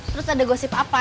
terus ada gosip apa